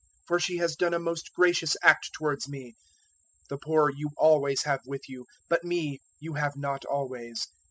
For she has done a most gracious act towards me. 026:011 The poor you always have with you, but me you have not always.